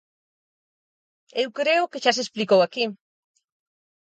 Eu creo que xa se explicou aquí.